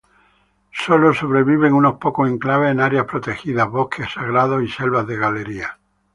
Sólo sobreviven unos pocos enclaves en áreas protegidas, bosques sagrados y selvas de galería.